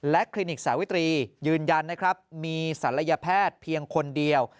คลินิกสาวิตรียืนยันนะครับมีศัลยแพทย์เพียงคนเดียว